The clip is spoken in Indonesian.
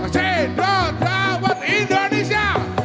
cedok dawet indonesia